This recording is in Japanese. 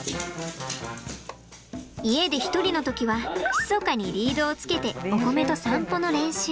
家で１人の時はひそかにリードをつけておこめと散歩の練習。